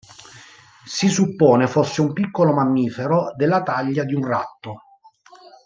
Si suppone fosse un piccolo mammifero della taglia di un ratto.